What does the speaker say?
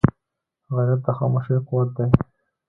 غیرت د خاموشۍ قوت دی